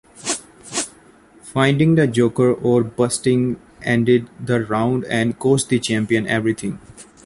Finding the joker or busting ended the round and cost the champion everything.